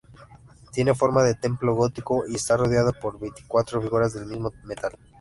Tiene forma de templo gótico y está rodeada por veinticuatro figuras del mismo metal.